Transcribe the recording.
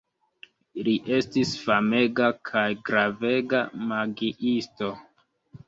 Li estis famega kaj gravega magiisto.